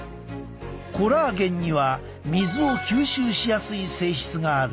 コラーゲンには水を吸収しやすい性質がある。